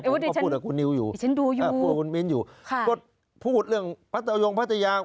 ก็พูดกับคุณนิวอยู่พูดกับคุณมิ้นอยู่ค่ะก็พูดเรื่องพัทยงพัทยา